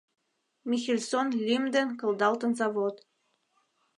Михельсон лӱм ден кылдалтын завод.